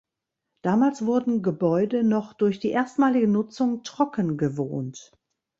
Damals wurden Gebäude noch durch die erstmalige Nutzung „trocken gewohnt“.